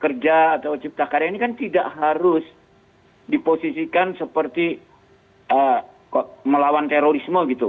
kerja atau cipta karya ini kan tidak harus diposisikan seperti melawan terorisme gitu